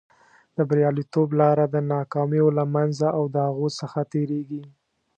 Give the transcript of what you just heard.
د بریالیتوب لاره د ناکامیو له منځه او د هغو څخه تېرېږي.